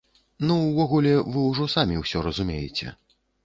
Ну, увогуле, вы ўжо самі ўсё разумееце!